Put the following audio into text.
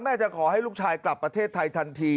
จะขอให้ลูกชายกลับประเทศไทยทันที